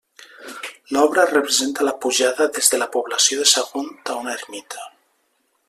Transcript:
L'obra representa la pujada des de la població de Sagunt a una ermita.